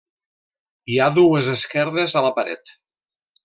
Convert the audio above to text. Hi ha dues esquerdes a la paret.